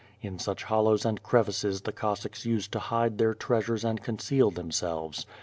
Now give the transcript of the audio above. In such hollows and crevices the Cossacks used to hide their treasures and conceal themselves.